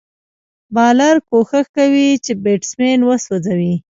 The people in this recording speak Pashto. بالر کوښښ کوي، چي بېټسمېن وسوځوي.